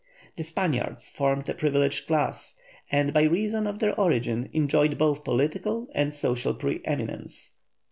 The Spaniards formed a privileged class, and by reason of their origin enjoyed both political and social pre eminence.